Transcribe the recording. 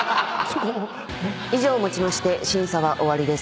以上をもちまして審査は終わりです。